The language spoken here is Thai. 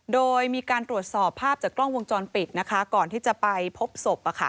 โดยมีการตรวจสอบภาพจากกล้องวงจรปิดนะคะก่อนที่จะไปพบศพ